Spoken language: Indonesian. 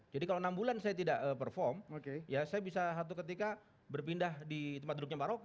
jadi kalau enam bulan saya tidak perform saya bisa satu ketika berpindah di tempat duduknya pak roky